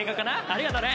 ありがとね！